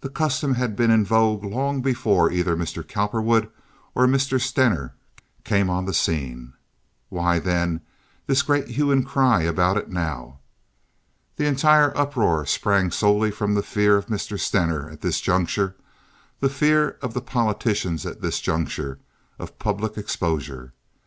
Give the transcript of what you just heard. The custom had been in vogue long before either Mr. Cowperwood or Mr. Stener came on the scene. Why, then, this great hue and cry about it now? The entire uproar sprang solely from the fear of Mr. Stener at this juncture, the fear of the politicians at this juncture, of public exposure.